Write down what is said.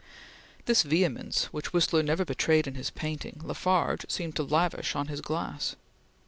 This vehemence, which Whistler never betrayed in his painting, La Farge seemed to lavish on his glass.